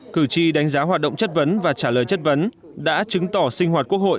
cử tri đánh giá hoạt động chất vấn và trả lời chất vấn đã chứng tỏ sinh hoạt quốc hội